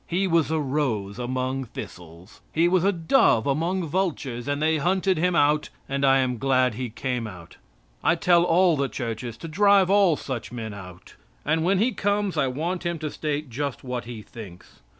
He was a rose among thistles. He was a dove among vultures and they hunted him out, and I am glad he came out. I tell all the churches to drive all such men out, and when he comes I want him to state just what he thinks.